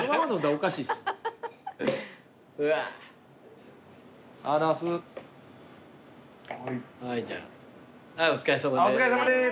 お疲れさまです。